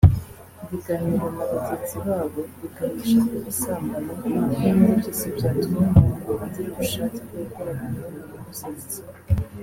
ibiganiro na bagenzi babo biganisha ku busambanyi n’ibindi byose byatuma umuntu agira ubushake bwo gukora imibonano mpuzabitsina